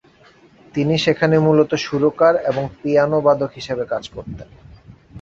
তিনি সেখানে মূলত সুরকার এবং পিয়ানোবাদক হিসাবে কাজ করতেন।